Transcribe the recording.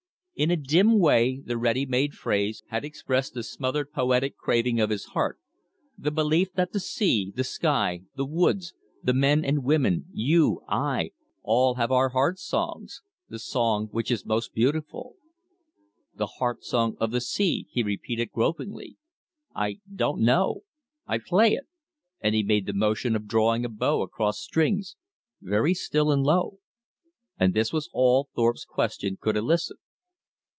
In a dim way the ready made phrase had expressed the smothered poetic craving of his heart, the belief that the sea, the sky, the woods, the men and women, you, I, all have our Heart Songs, the Song which is most beautiful. "The Heart Song of the Sea," he repeated gropingly. "I don't know ...I play it," and he made the motion of drawing a bow across strings, "very still and low." And this was all Thorpe's question could elicit.